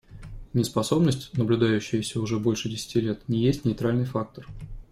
Неспособность, наблюдающаяся уже больше десяти лет, не есть нейтральный фактор.